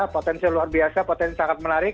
potensinya luar biasa potensinya sangat menarik